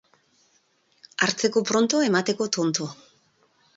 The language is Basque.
Hartzeko pronto, emateko tonto.